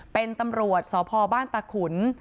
เป็นตำรวจสพบ้านตาขุน